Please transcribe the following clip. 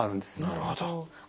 なるほど。